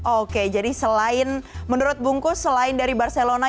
oke jadi selain menurut bungkus selain dari barcelona